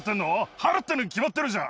払ってるに決まってるじゃん。